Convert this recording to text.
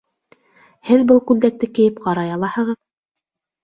Һеҙ был күлдәкте кейеп ҡарай алаһығыҙ.